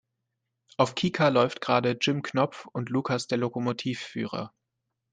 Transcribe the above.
Auf Kika läuft gerade "Jim Knopf und Lukas der Lokomotivführer".